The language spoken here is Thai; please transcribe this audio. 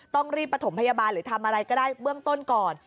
ต้องรีบประถมพยาบาลหรือทำอะไรก็ได้เบื้องต้นก่อน